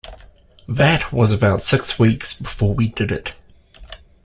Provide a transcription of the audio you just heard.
That was about six weeks before we did it.